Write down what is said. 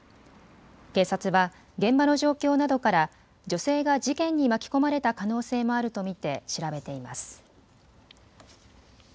警察は現場の状況などから女性が事件に巻き込まれた可能性もあると見て調べています。